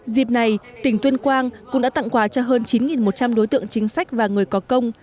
dịp này tỉnh tuyên quang cũng đã tặng quà cho hơn chín một trăm linh đối tượng chính sách và người có công